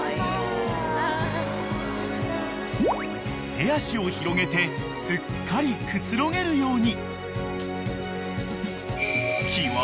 ［手足を広げてすっかりくつろげるように］